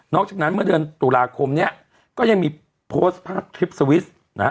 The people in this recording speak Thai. จากนั้นเมื่อเดือนตุลาคมเนี่ยก็ยังมีโพสต์ภาพคลิปสวิสต์นะฮะ